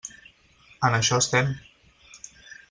En això estem.